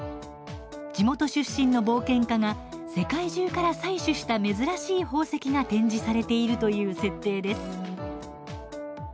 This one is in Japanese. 地元出身の冒険家が世界中から採取した珍しい宝石が展示されているという設定です。